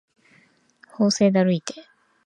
法政だるいて